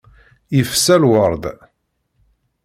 Yefsa lwerḍ.